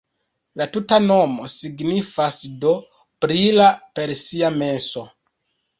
La tuta nomo signifas do: brila per sia menso.